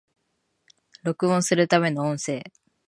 録音するための音声